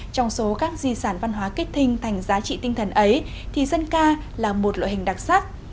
trong số các di sản văn hóa kết thinh thành giá trị tinh thần ấy thì dân ca là một loại hình đặc sắc